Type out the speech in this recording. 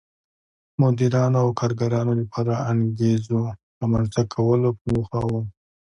مدیرانو او کارګرانو لپاره انګېزو رامنځته کولو په موخه و.